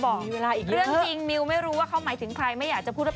ตอนนี้เรียกว่าเป็นแบบตำแหน่งเจ้าแม่พรีเซนเตอร์กันเลยทีเดียวนะคะ